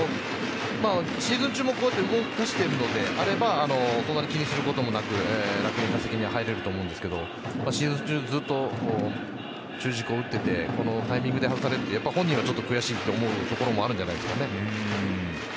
シーズン中も、こうやって動かしているのであればそんなに気にする事もなく楽に打席に入れると思うんですけどシーズン中ずっと中軸を打っていてこのタイミングで外されると本人は悔しく思うところもあるんじゃないですかね。